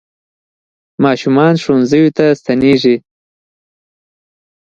ماشومان ښوونځیو ته ستنېږي.